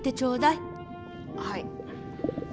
はい。